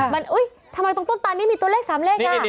มันอุ๊ยทำไมตรงต้นตานนี้มีตัวเลข๓เลขอ่ะ